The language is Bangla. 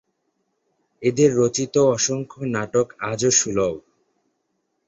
এঁদের রচিত অসংখ্য নাটক আজও সুলভ।